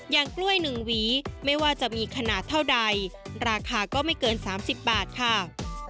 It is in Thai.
อย่างกล้วยหนึ่งวีไม่ว่าจะมีขนาดเท่าใดราคาก็ไม่เกินสามสิบบาทค่ะ